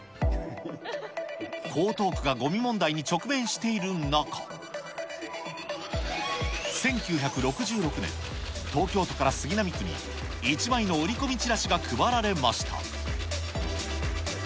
江東区がごみ問題に直面している中、１９６６年、東京都から杉並区に一枚の折り込みチラシが配られました。